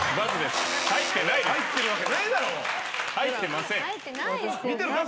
入ってません。